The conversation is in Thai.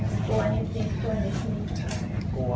เขาคิดว่า